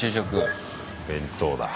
弁当だ。